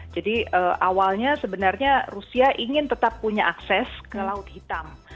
jadi awalnya sebenarnya rusia ingin tetap punya akses ke laut hitam